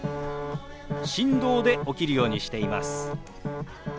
振動で起きるようにしています。